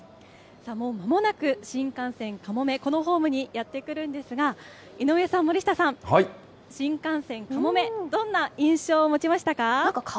もう間もなく新幹線かもめ、このホームにやって来るんですが、井上さん、森下さん、新幹線かもめ、どんな印象を持ちましたか？